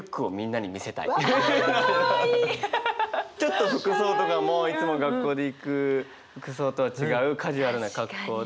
ちょっと服装とかもいつも学校で行く服装とは違うカジュアルな格好で。